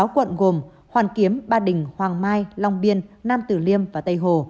sáu quận gồm hoàn kiếm ba đình hoàng mai long biên nam tử liêm và tây hồ